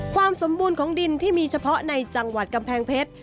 ความสมบูรณ์ของดินที่มีเฉพาะในจังหวัดกำแพงเพชร